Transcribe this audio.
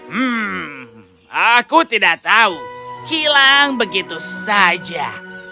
hmm aku tidak tahu hilang begitu saja